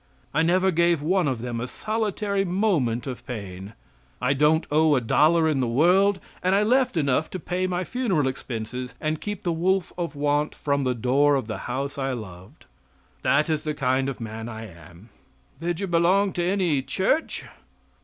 I never gave one of them a solitary moment of pain. I don't owe a dollar in the world and I left enough to pay my funeral expenses and keep the wolf of want from the door of the house I loved. That is the kind of a man I am." "Did you belong to any church?"